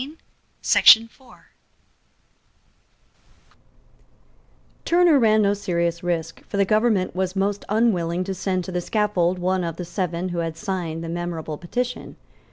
Turner ran no serious risk; for the government was most unwilling to send to the scaffold one of the Seven who had signed the memorable petition.